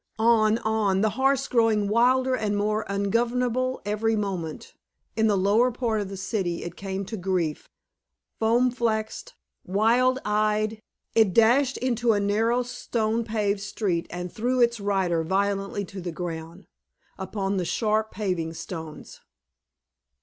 On, on, the horse growing wilder and more ungovernable every moment. In the lower part of the city it came to grief. Foam flecked, wild eyed, it dashed into a narrow, stone paved street and threw its rider violently to the ground, upon the sharp paving stones.